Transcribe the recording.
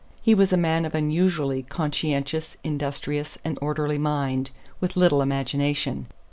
He was a man of unusually conscientious, industrious and orderly mind, with little imagination.